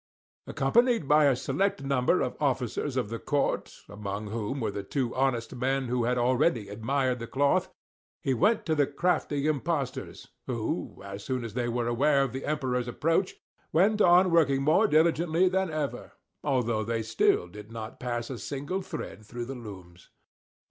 Accompanied by a select number of officers of the court, among whom were the two honest men who had already admired the cloth, he went to the crafty impostors, who, as soon as they were aware of the Emperor's approach, went on working more diligently than ever; although they still did not pass a single thread through the looms.